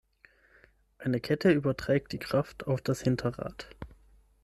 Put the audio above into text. Eine Kette überträgt die Kraft auf das Hinterrad.